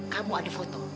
kamu ada foto